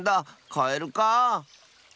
カエルかあ。